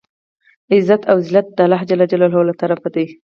عزت او زلت د الله ج له طرفه دی.